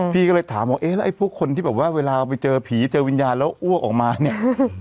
พี่ก็เลยถามว่าเอ๊ะแล้วไอ้พวกคนที่แบบว่าเวลาไปเจอผีเจอวิญญาณแล้วอ้วกออกมาเนี่ย